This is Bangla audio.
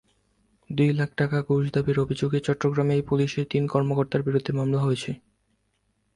দুই লাখ টাকা ঘুষ দাবির অভিযোগে চট্টগ্রামে পুলিশের তিন কর্মকর্তার বিরুদ্ধে মামলা হয়েছে।